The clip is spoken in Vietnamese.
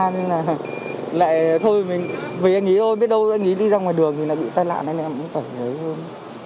nhưng lại thôi mình với anh ý thôi biết đâu anh ý đi ra ngoài đường thì bị tai lạc nên em cũng phải lấy hôm